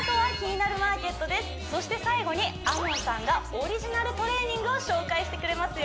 そして最後にＡＭＯＮさんがオリジナルトレーニングを紹介してくれますよ